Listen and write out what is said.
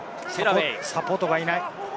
サポートがいない。